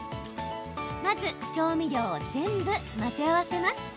まず、調味料を全部混ぜ合わせます。